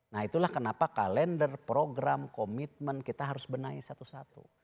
nah itulah kenapa kalender program komitmen kita harus benahi satu satu